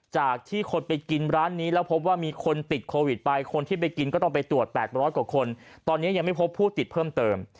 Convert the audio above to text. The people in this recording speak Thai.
จากที่คนไปกินร้านนี้แล้วพบว่ามีคนติดโควิดไปคนที่ไปกินก็ต้องไปตรวจ๘๐๐กว่าคนตอนนี้ยังไม่พบผู้ติดเพิ่มเติม